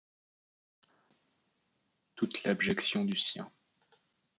Toute l’abjection du sien !